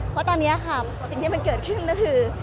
เพราะตอนนี้ค่ะสิ่งที่มันเกิดขึ้นก็คือ